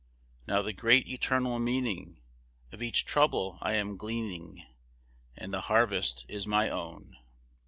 Now the great eternal meaning Of each trouble I am gleaning, And the harvest is my own.